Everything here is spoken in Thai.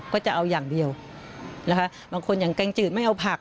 ก็จะเอาอย่างเดียวนะคะบางคนอย่างแกงจืดไม่เอาผัก